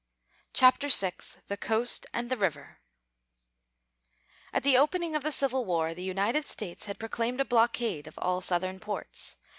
CHAPTER VI THE COAST AND THE RIVER At the opening of the Civil War, the United States had proclaimed a blockade of all Southern ports.